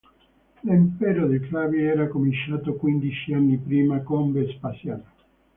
L'impero dei Flavi era cominciato quindici anni prima con Vespasiano.